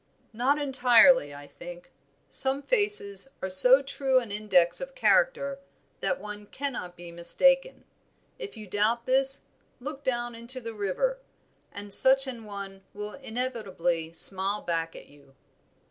"Not entirely, I think. Some faces are so true an index of character that one cannot be mistaken. If you doubt this look down into the river, and such an one will inevitably smile back at you."